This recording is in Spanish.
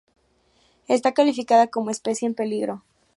Está calificada como especie en peligro.